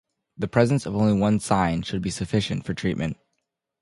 The presence of only one sign should be sufficient for treatment.